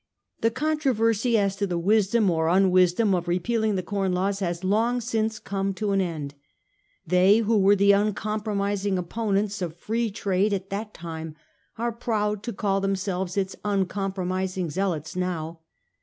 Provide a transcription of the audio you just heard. The controversy as to the wisdom or unwisdom, of repealing the Com Laws has long since come to an end. They who were the uncompromising opponents of Free Trade at that time are proud to call themselves its uncompromising zealots now.